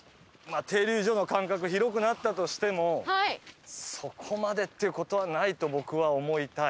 停留所の間隔広くなったとしてもそこまでっていう事はないと僕は思いたい。